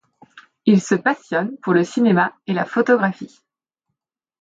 Il se passionne pour le cinéma et la photographie.